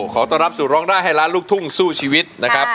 ขอต้อนรับสู่ร้องได้ให้ล้านลูกทุ่งสู้ชีวิตนะครับ